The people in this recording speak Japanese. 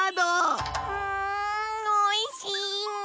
うんおいしい！